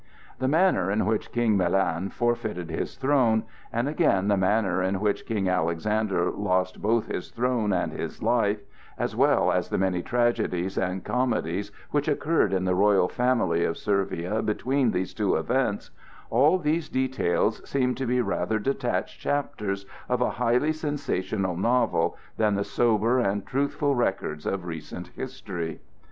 The manner in which King Milan forfeited his throne, and again the manner in which King Alexander lost both his throne and his life, as well as the many tragedies and comedies which occurred in the royal family of Servia between these two events,—all these details seem to be rather detached chapters of a highly sensational novel than the sober and truthful records of recent history.